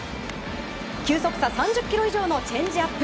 球速差３０キロ以上のチェンジアップ。